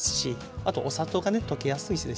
あとお砂糖がね溶けやすいですし